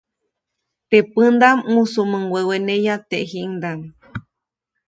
Teʼ pändaʼm mujsumuŋ weweneya tejiʼŋdaʼm.